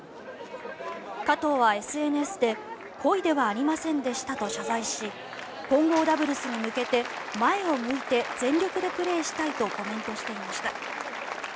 加藤はＳＮＳで故意ではありませんでしたと謝罪し混合ダブルスに向けて前を向いて全力でプレーしたいとコメントしていました。